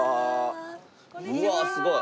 うわーすごい！